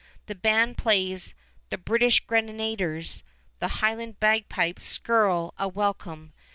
The band plays "the British Grenadiers." The Highland bagpipes skurl a welcome.